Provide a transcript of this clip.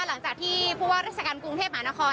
หลังจากที่ราชการกรุงเทพฯหานคร